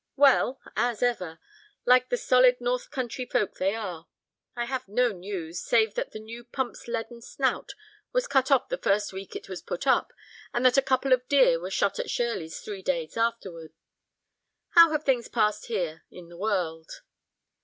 "Well—as ever, like the solid north country folk they are. I have no news, save that the new pump's leaden snout was cut off the first week it was put up, and that a couple of deer were shot at Shirleys three days afterward. How have things passed here—in the world?"